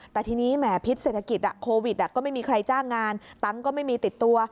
แต่ทีนี้แหมพิษเศรษฐกิจโควิดก็ไม่มีใครจ้างงานตังค์ก็ไม่มีติดตัว